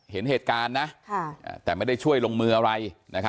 เห็นเหตุการณ์นะแต่ไม่ได้ช่วยลงมืออะไร